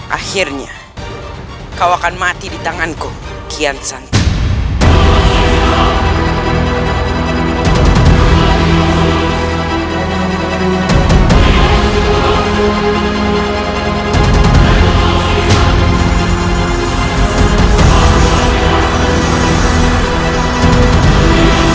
akhirnya kau akan mati di tanganku kian santri